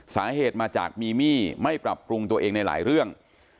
สาเหตุมาจากมีมี่ไม่ปรับปรุงตัวเองในหลายเรื่อง